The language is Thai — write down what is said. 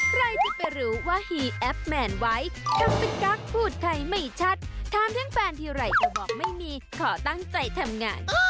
ใครจะไปรู้ว่าฮีแอปแมนไว้ทำเป็นกั๊กพูดใครไม่ชัดถามทั้งแฟนทีไรก็บอกไม่มีขอตั้งใจทำงาน